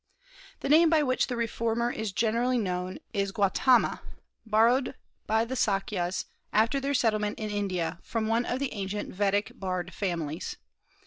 The name by which the reformer is generally known is Gautama, borrowed by the Sâkyas after their settlement in India from one of the ancient Vedic bard families.